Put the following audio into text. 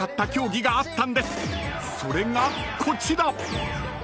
［それがこちら］